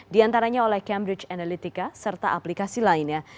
di antaranya oleh cambridge analytica serta aplikasi lainnya